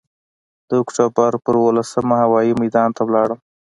د اکتوبر پر اوولسمه هوايي میدان ته ولاړم.